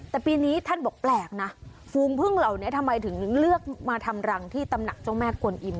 แต่ปีนี้ท่านบอกแปลกนะฟูงพึ่งเหล่านี้ทำไมถึงเลือกมาทำรังที่ตำหนักเจ้าแม่กวนอิม